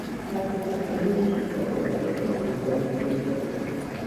საბჭოთა პერიოდში სოფელს ერქვა სოციალისტური სოფელი.